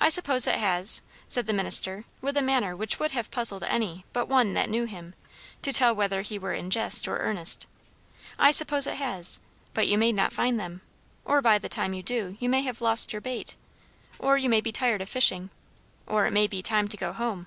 "I suppose it has," said the minister, with a manner which would have puzzled any but one that knew him, to tell whether he were in jest or earnest. "I suppose it has. But you may not find them. Or by the time you do, you may have lost your bait. Or you may be tired of fishing. Or it may be time to go home."